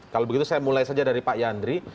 kalau begitu saya mulai saja dari pak yandri